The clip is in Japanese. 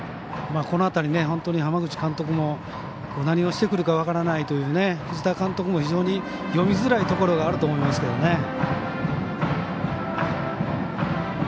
この辺り、浜口監督も何をしてくるか分からないという藤田監督も非常に読みづらいところがあると思いますけどね。